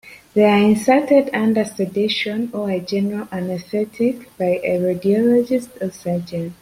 They are inserted under sedation or a general anesthetic by a radiologist or surgeon.